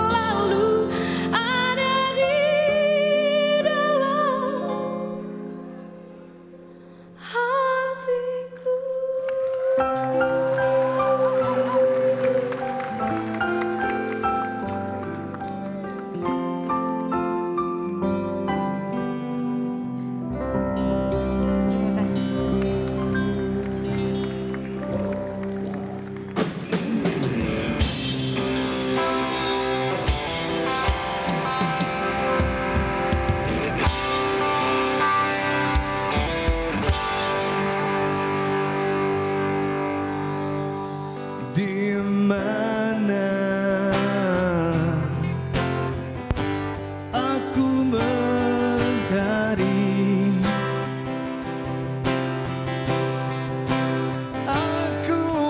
hidup rela dia berikan